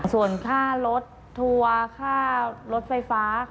ส่วนค่ารถทัวร์ค่ารถไฟฟ้า